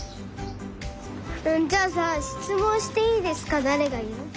じゃあさ「しつもんしていいですか」だれがいう？